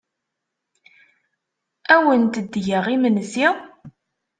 Ad awent-d-geɣ imensi?